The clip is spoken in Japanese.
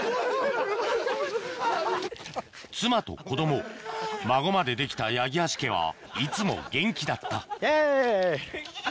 妻と子供孫までできた八木橋家はいつも元気だったイエイ！